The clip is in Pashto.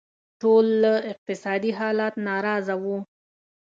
ټول له اقتصادي حالت ناراضه وو.